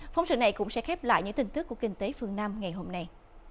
phóng sự này cũng sẽ khép lại những tin tức của kinh tế phương nam ngày hôm nay